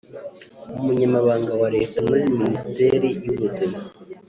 Umunyamabanga wa Leta muri Ministeri y’Ubuzima